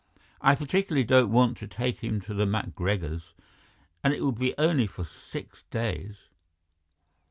"I particularly don't want to take him to the MacGregors', and it will only be for six days."